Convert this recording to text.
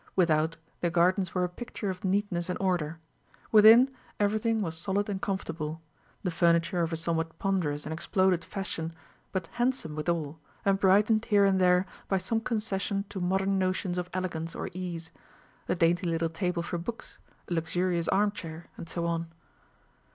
Without, the gardens were a picture of neatness and order; within, everything was solid and comfortable: the furniture of a somewhat ponderous and exploded fashion, but handsome withal, and brightened here and there by some concession to modern notions of elegance or ease a dainty little table for books, a luxurious arm chair, and so on.